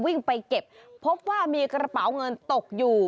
วิ่งไปเก็บพบว่ามีกระเป๋าเงินตกอยู่